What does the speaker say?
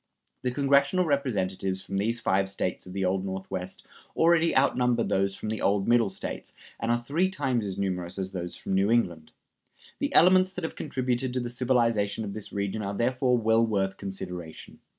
The congressional Representatives from these five States of the Old Northwest already outnumber those from the old Middle States, and are three times as numerous as those from New England. The elements that have contributed to the civilization of this region are therefore well worth consideration.